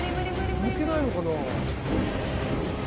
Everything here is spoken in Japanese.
抜けないのかな。